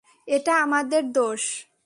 এটা আমাদের দোষ!